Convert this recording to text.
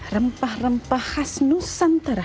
rempah rempah khas nusantara